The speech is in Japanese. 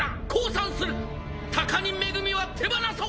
高荷恵は手放そう。